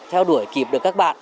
theo đuổi kịp được các bạn